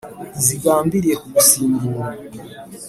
ntizigambiriye kugusimbura